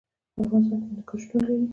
په افغانستان کې هندوکش شتون لري.